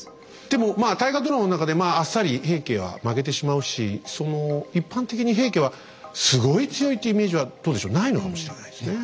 でもまあ大河ドラマの中でまああっさり平家は負けてしまうしその一般的に平家はすごい強いっていうイメージはどうでしょうないのかもしれないですね。